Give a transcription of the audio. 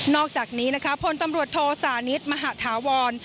อกจากนี้นะคะพลตำรวจโทสานิทมหาธาวร